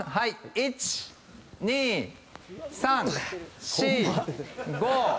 １２３４５６７。